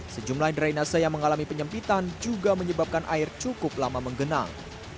sejumlah drainase yang mengalami penyempitan juga menyebabkan air cukup lama menggenang